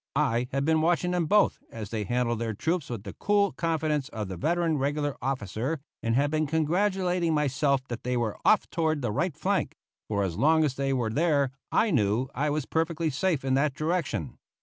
I had been watching them both, as they handled their troops with the cool confidence of the veteran regular officer, and had been congratulating myself that they were off toward the right flank, for as long as they were there, I knew I was perfectly safe in that direction.